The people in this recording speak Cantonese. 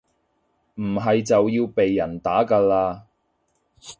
唔係就要被人打㗎喇